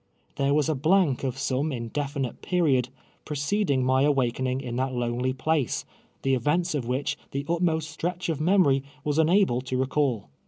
Tliere was a blank of some indeiinite period, preceding my awakening in tliat lonely place, the events of which the utmost stretcli of memory was unable to recall.